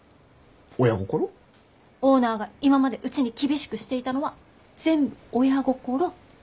オーナーが今までうちに厳しくしていたのは全部親心。